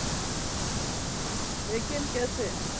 لیکن کیسے؟